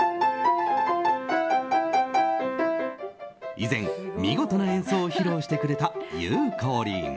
以前、見事な演奏を披露してくれた、ゆうこりん。